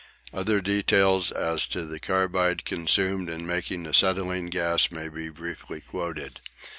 Other details as to the carbide consumed in making acetylene gas may be briefly quoted.